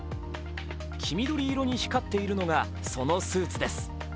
黄緑色に光っているのがそのスーツです。